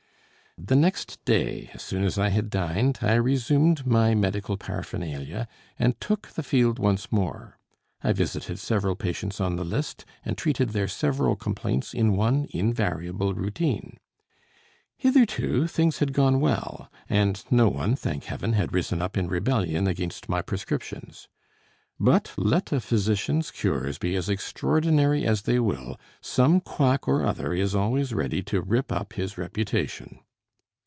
The next day, as soon as I had dined, I resumed my medical paraphernalia and took the field once more. I visited several patients on the list, and treated their several complaints in one invariable routine. Hitherto things had gone well, and no one, thank Heaven, had risen up in rebellion against my prescriptions. But let a physician's cures be as extraordinary as they will, some quack or other is always ready to rip up his reputation.